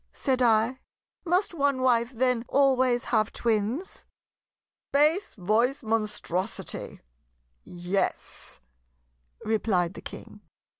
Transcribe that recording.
said I. "Must one wife then always have twins?" "Bass voice Monstrosity! yes," replied the King.